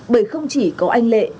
bởi không chỉ có anh lệ